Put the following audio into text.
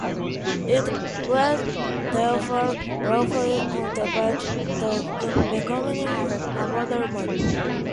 It was therefore halfway on the path to becoming a modern human.